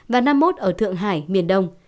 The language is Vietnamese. và năm mươi một ở thượng hải miền đông